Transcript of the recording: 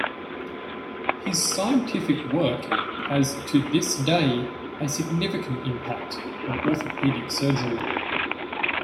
His scientific work has to this day a significant impact on orthopedic surgery.